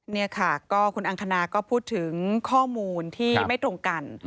นี่ค่ะก็คุณอังคณาก็พูดถึงข้อมูลที่ไม่ตรงกัน